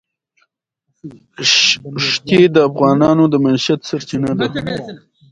ښتې د افغانانو د معیشت سرچینه ده.